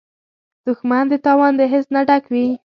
دښمن د تاوان د حس نه ډک وي